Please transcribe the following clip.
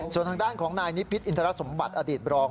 ส่วนทางด้านของนายนิพิษอินทรสมบัติอดีตรอง